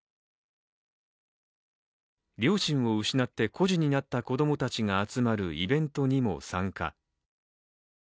両親を失って孤児になった子供たちが集まるイベントにも参加。